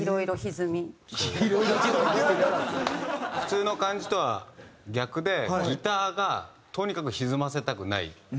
普通の感じとは逆でギターがとにかく歪ませたくない人なんですよね。